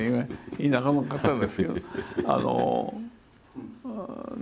「田舎の方」ですよ。